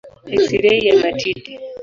Eksirei ya matiti.